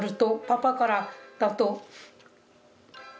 「パパからだと」